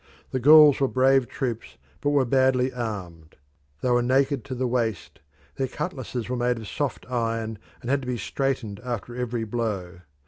The Gauls were brave troops but were badly armed; they were naked to the waist; their cutlasses were made of soft iron and had to be straightened after every blow.